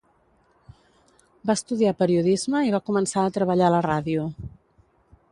Va estudiar periodisme i va començar a treballar a la ràdio.